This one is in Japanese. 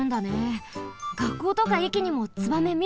がっこうとかえきにもツバメみるね！